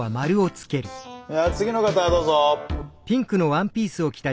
え次の方どうぞ。